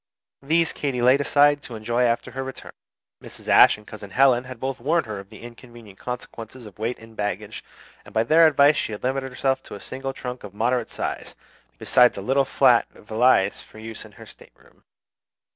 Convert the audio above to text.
These Katy laid aside to enjoy after her return. Mrs. Ashe and Cousin Helen had both warned her of the inconvenient consequences of weight in baggage; and by their advice she had limited herself to a single trunk of moderate size, besides a little flat valise for use in her stateroom.